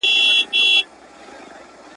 ستا د علم او منطق سره ده سمه ..